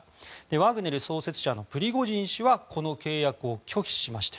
ワグネル創設者のプリゴジン氏はこの契約を拒否しました。